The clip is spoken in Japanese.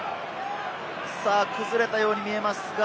崩れたように見えますが。